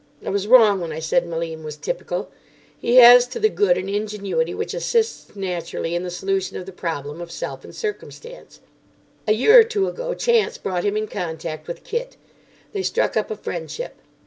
I was wrong when I said Malim was typical. He has to the good an ingenuity which assists naturally in the solution of the problem of self and circumstance. A year or two ago chance brought him in contact with Kit. They struck up a friendship.